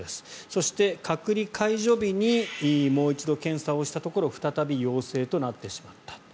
そして、隔離解除日にもう一度検査をしたところ再び陽性となってしまった。